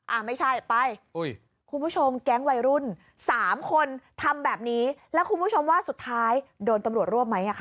อ่ะไม่ใช่ไปคุณผู้ชมแก๊งวัยรุ่นสามคนทำแบบนี้แล้วคุณผู้ชมว่าสุดท้ายโดนตำรวจรวบไหมอ่ะค่ะ